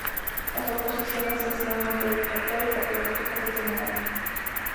Las oposiciones se hacían ante el rector y catedráticos del seminario.